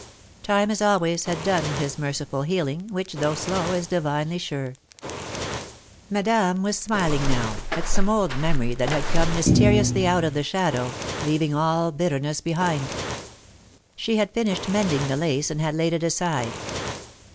Time, as always, had done his merciful healing, which, though slow, is divinely sure. Madame was smiling, now, at some old memory that had come mysteriously out of the shadow, leaving all bitterness behind. She had finished mending the lace and had laid it aside.